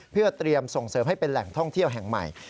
เพื่อเตรียมส่งเสริมให้เป็นแหล่งท่องเที่ยวแห่งใหม่